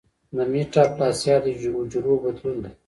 د میټاپلاسیا د حجرو بدلون دی.